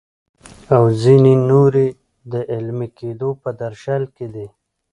او ځینې نورې د عملي کیدو په درشل کې دي.